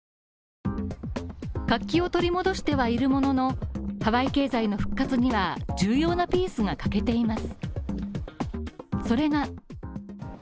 活気を取り戻してはいるもののハワイ経済の復活には重要なピースが欠けています。